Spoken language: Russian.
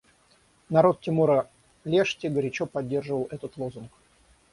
Народ Тимора-Лешти горячо поддержал этот лозунг.